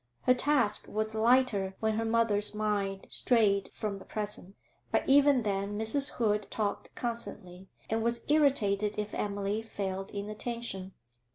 Her task was lighter when her mother's mind strayed from the present; but even then Mrs. Hood talked constantly, and was irritated if Emily failed in attention.